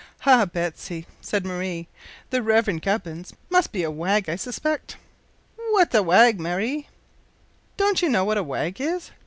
'" "Ah! Betsy," said Marie, "the Reverend Gubbins must be a wag, I suspect." "W'at's a wag, Marie?" "Don't you know what a wag is?"